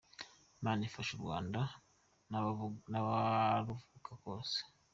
Imana ifashe u Rwanda n’abaruvuka bose.